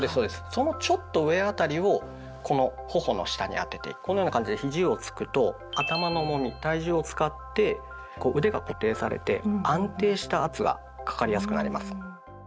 そのちょっと上辺りをこの頬の下に当ててこのような感じでひじをつくと頭の重み体重を使って腕が固定されて安定した圧がかかりやすくなります。